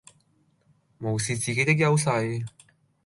無視自己的優勢